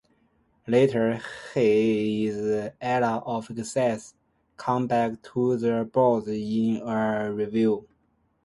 Later, his "Earl of Essex" came back to the boards in a revival.